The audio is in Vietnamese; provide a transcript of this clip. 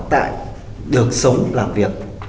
tại được sống làm việc